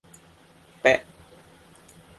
เป๊ะ